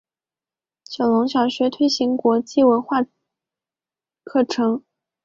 九龙小学推行国际文凭课程。